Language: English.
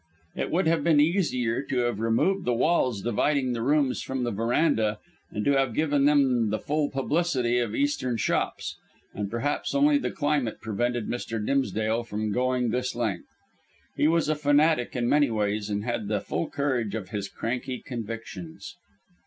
It would have been easier to have removed the walls dividing the rooms from the verandah, and to have given them the full publicity of Eastern shops. And perhaps only the climate prevented Mr. Dimsdale from going this length. He was a fanatic in many ways, and had the full courage of his cranky convictions.